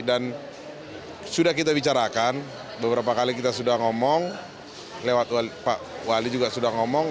dan sudah kita bicarakan beberapa kali kita sudah ngomong lewat pak wali juga sudah ngomong